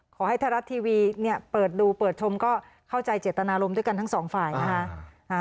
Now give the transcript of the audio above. ไทยรัฐทีวีเปิดดูเปิดชมก็เข้าใจเจตนารมณ์ด้วยกันทั้งสองฝ่ายนะคะ